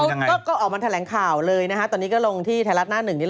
โอเคนี่ต่อเรื่องก็ออกมาแถลงข่าวเลยนะฮะตอนนี้ก็ลงที่แถละหน้าหนึ่งเลยนะคะ